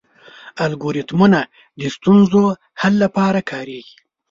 الګوریتمونه د ستونزو حل لپاره کارېږي.